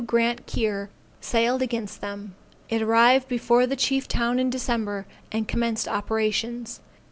Grant Keir, sailed against them. It arrived before the chief town in December, and commenced operations.